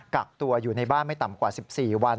กักตัวอยู่ในบ้านไม่ต่ำกว่า๑๔วัน